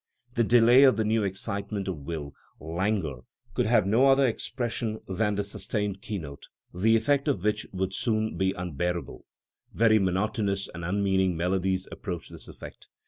The delay of the new excitement of will, languor, could have no other expression than the sustained keynote, the effect of which would soon be unbearable; very monotonous and unmeaning melodies approach this effect.